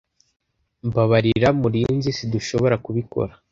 Mbabarira, Murinzi, sidushobora kubikora.